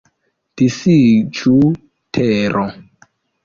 Disiĝu, tero!